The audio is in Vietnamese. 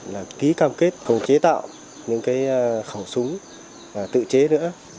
và ký cam kết phòng chế tạo những khẩu súng tự chế nữa